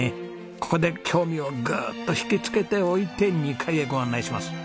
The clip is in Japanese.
ここで興味をぐーっと引きつけておいて２階へご案内します。